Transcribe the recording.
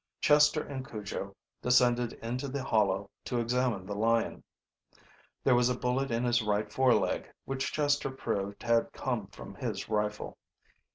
Chester and Cujo descended into the hollow to examine the lion. There was a bullet in his right foreleg which Chester proved had come from his rifle.